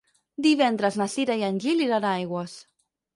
Divendres na Cira i en Gil iran a Aigües.